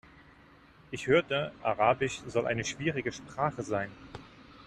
Ich hörte, Arabisch soll eine schwierige Sprache sein.